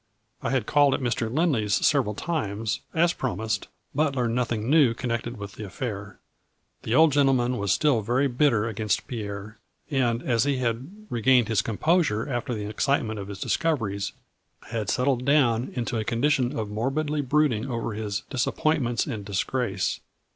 I had called at Mr. Lindley's several times, as promised, but learned nothing new con nected with the affair. The old gentleman 140 A FLURRY IN DIAMONDS. was still very bitter against Pierre, and, as he had regained his composure after the excite ment of his discoveries, had settled down into a condition of morbidly brooding over his " dis appointments and disgrace."